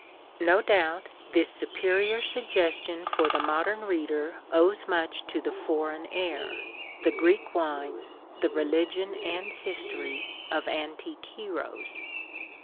No doubt, this superior suggestion for the modern reader owes much to the foreign air, the Greek wine, the religion and history of antique heroes.